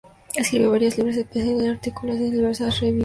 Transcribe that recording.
Escribió varios libros especializados y artículos en diversas revistas.